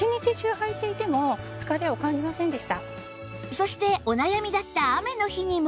そしてお悩みだった雨の日にも